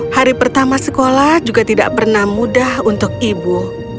hari pertama sekolah juga tidak pernah mudah untuk ibu